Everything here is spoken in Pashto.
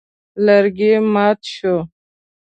لرګی مات شو.